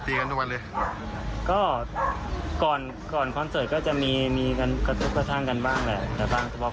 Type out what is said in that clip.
เพราะเยอะเหมือนกันแต่เมื่อวานอ่ะเยอะจริงจริง